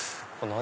何？